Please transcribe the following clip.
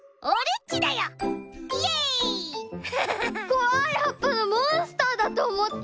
こわいはっぱのモンスターだとおもった！